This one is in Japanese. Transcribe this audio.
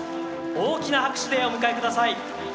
大きな拍手でお迎えください。